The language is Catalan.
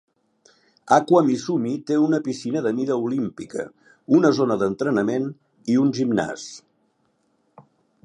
Aqua Misumi té una piscina de mida olímpica, una zona d'entrenament i un gimnàs.